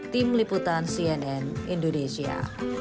tim liputan cnn indonesia